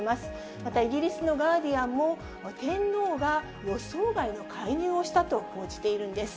またイギリスのガーディアンも、天皇が予想外の介入をしたと報じているんです。